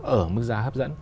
ở mức giá hấp dẫn